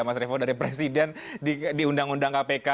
mas revo dari presiden di undang undang kpk